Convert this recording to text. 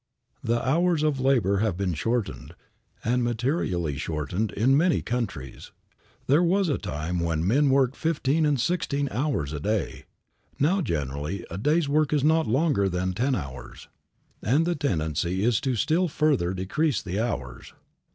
The hours of labor have been shortened, and materially shortened, in many countries. There was a time when men worked fifteen and sixteen hours a day. Now, generally, a day's work is not longer than ten hours, and the tendency is to still further decrease the hours.